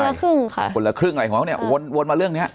ละครึ่งค่ะคนละครึ่งอะไรของเขาเนี่ยวนวนมาเรื่องเนี้ย